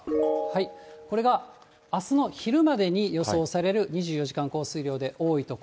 これがあすの昼までに予想される２４時間降水量で多い所。